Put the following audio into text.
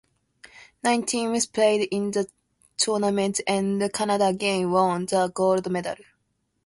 Nine teams played in the tournament and Canada again won the gold medal.